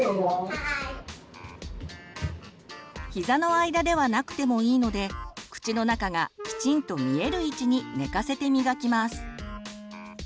膝の間ではなくてもいいので口の中がきちんと見える位置に寝かせて磨きます。